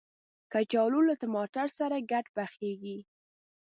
کچالو له ټماټر سره ګډ پخیږي